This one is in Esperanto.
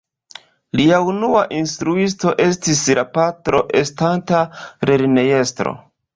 Lia unua instruisto estis la patro estanta lernejestro.